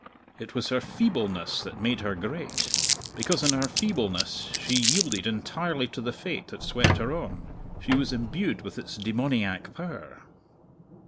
It was her feebleness that made her great. Because in her feebleness she yielded entirely to the fate that swept her on, she was imbued with its demoniac power.